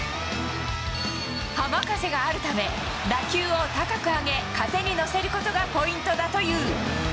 浜風があるため、打球を高く上げ、風に乗せることがポイントだという。